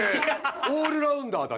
オールラウンダーだ。